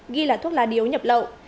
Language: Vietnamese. ghi là thuốc lá điếu nhập lậu